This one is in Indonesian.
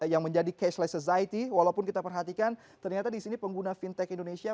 yang menjadi cashless society walaupun kita perhatikan ternyata di sini pengguna fintech indonesia